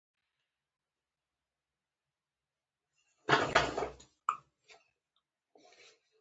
ښه معلم د ژبي ښوونه ښه ترسره کوي.